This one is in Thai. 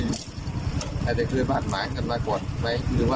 ล่าสุดเนี่ยนะคะรองผู้กำกับการสืบสวน